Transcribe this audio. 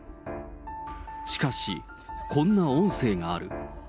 しかし、こんな音声がある。